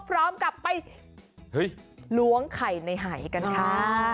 พร้อมกับไปล้วงไข่ในหายกันค่ะ